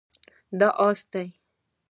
دا اس دی